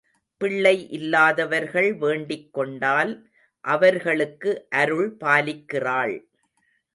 பிள்ளை இல்லாதவர்கள் வேண்டிக் கொண்டால், அவர்களுக்கு அருள் பாலிக்கிறாள்.